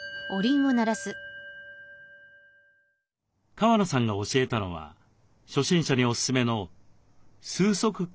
川野さんが教えたのは初心者におすすめの「数息観」という呼吸法。